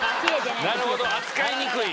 なるほど扱いにくい。